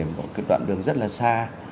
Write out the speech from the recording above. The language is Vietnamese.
một cái đoạn đường rất là xa